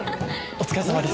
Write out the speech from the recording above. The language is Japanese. お疲れさまです。